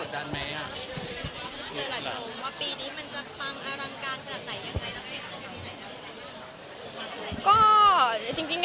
หน้าชมว่าปีนี้มันจะปรังอารังการเท่าไหร่ยังไงแล้วเต็มตกยังไง